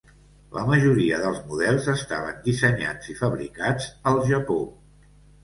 La majoria dels models estaven dissenyats i fabricats al Japó.